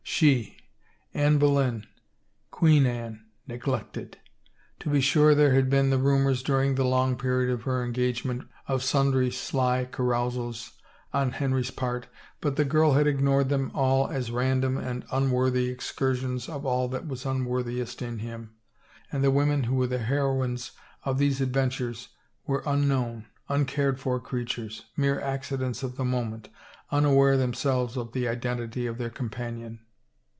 She, Anne Boleyn, Queen Anne, neglected! To be sure, there had been the rumors dur ing the long period of her engagement of sundry sly carousals on Henry's part, but the girl had ignored them all as random and unworthy excursions of all that was unworthiest in him, and the women who were the her 269 THE FAVOR OF KINGS oines of these adventures were unknown, uncared for creatures, mere accidents of the moment, unaware them selves of the identity of their companion.